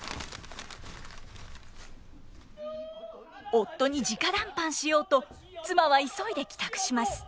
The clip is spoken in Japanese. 夫に直談判しようと妻は急いで帰宅します。